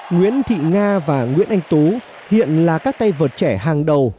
nguyễn thị nga và nguyễn anh tú hiện là các tay vợt trẻ hàng đầu